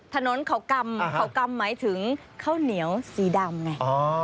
ถนนเขากำเขากำหมายถึงข้าวเหนียวสีดำไง